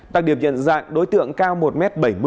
đặc điểm nhận dạng đối tượng cao một bảy mươi m